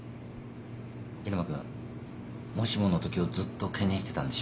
入間君もしものときをずっと懸念してたんでしょ。